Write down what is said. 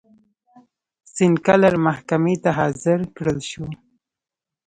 سینکلر محکمې ته حاضر کړل شو.